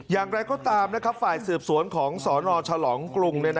อย่างไรก็ตามนะครับฝ่ายสืบสวนของสรรค์ชะลองกรุง